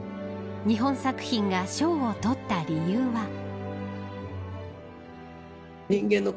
日本作品が賞を取った理由は。